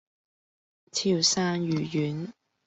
潮汕魚丸